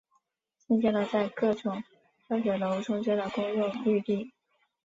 兴建了在各种教学楼中间的公用绿地。